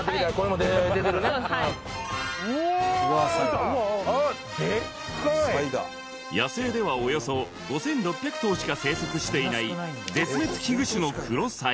デッカい野生ではおよそ５６００頭しか生息していない絶滅危惧種のクロサイ